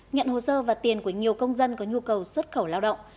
nhận hồ sơ và tiền của nhiều công dân có nhu cầu xuất khẩu lao động